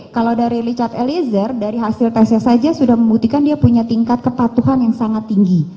kalau dari richard eliezer dari hasil tesnya saja sudah membuktikan dia punya tingkat kepatuhan yang sangat tinggi